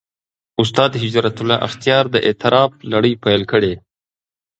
استاد هجرت الله اختیار د «اعتراف» لړۍ پېل کړې.